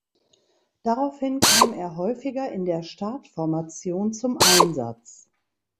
Daraufhin kam er häufiger in der Startformation zum Einsatz.